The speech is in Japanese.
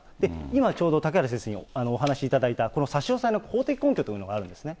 今ちょうど嵩原先生にお話しいただいたこの差し押さえの法的根拠というのがあるんですね。